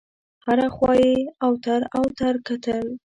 هره خوا یې اوتر اوتر کتل.